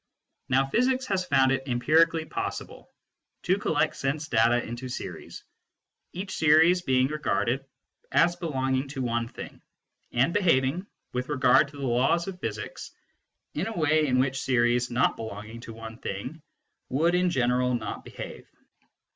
Now physics has found it empirically possible to collect sense data into series, each series being regarded as belonging to one " thing," and behaving, with regard to the laws of physics, in a way in which series not belonging to one thing would in general not behave.